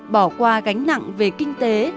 bỏ qua gánh nặng về kinh tế